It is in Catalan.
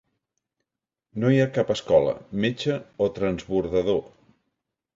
No hi ha cap escola, metge o transbordador.